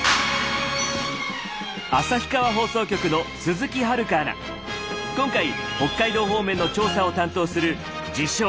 旭川放送局の今回北海道方面の調査を担当する自称